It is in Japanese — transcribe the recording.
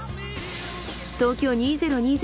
東京２０２０